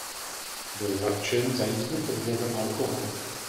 Byl zatčen za jízdu pod vlivem alkoholu.